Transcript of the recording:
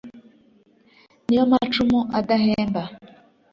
. Ni yo macumu adahemba